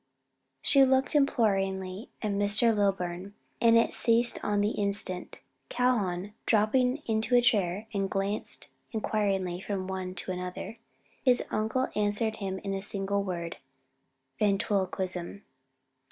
She looked imploringly at Mr. Lilburn, and it ceased on the instant. Calhoun dropped into a chair and glanced inquiringly from one to another. His uncle answered him in a single word, "Ventriloquism."